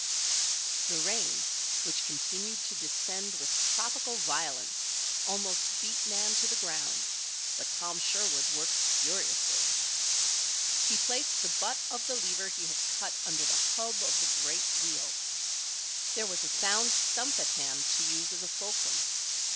The rain, which continued to descend with tropical violence, almost beat Nan to the ground; but Tom Sherwood worked furiously. He placed the butt of the lever he had cut under the hub of the great wheel. There was a sound stump at hand to use as a fulcrum.